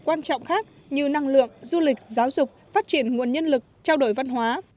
quan trọng khác như năng lượng du lịch giáo dục phát triển nguồn nhân lực trao đổi văn hóa